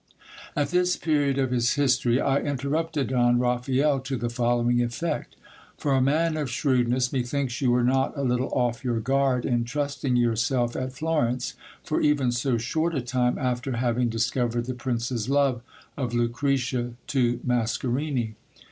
At this period of his history I interrupted Don Raphael to the following effect. For a man of shrewdness, methinks you were not a little off your guard, in trusting yourself at Florence for even so short a time, after having discovered the prince's love of Lucretia to Mascarini.